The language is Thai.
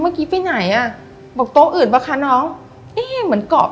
เมื่อกี้ไปไหนอ่ะบอกโต๊ะอื่นปะคะน้องแอเหมือนเกาะ